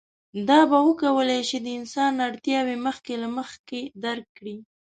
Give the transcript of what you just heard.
دا به وکولی شي د انسان اړتیاوې مخکې له مخکې درک کړي.